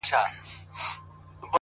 o دا چي دي شعرونه د زړه جيب كي وړي،